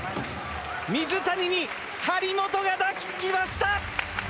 水谷に張本が抱き着きました。